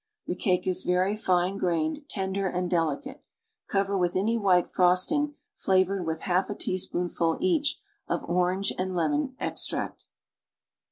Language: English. The cake is very fine grained, tender and delicate, (^ovpr with any white frosting flavored with half a teaspoonful. each, of orange and lemon extract.